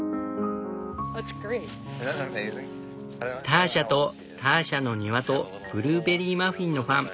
「ターシャとターシャの庭とブルーベリーマフィンのファン」。